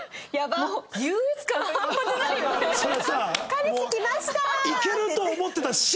彼氏来ました！